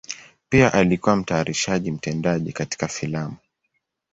Pia alikuwa mtayarishaji mtendaji katika filamu.